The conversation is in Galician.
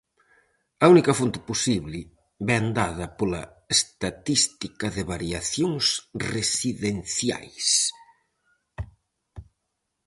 A única fonte posible vén dada pola Estatística de Variacións Residenciais.